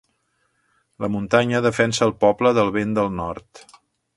La muntanya defensa el poble del vent del nord.